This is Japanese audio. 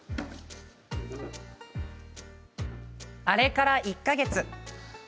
あれから１か月。